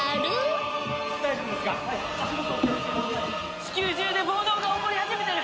チキュー中で暴動が起こり始めてる！